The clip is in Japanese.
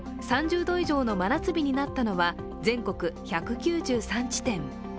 今日３０度以上の真夏日になったのは全国１９３地点。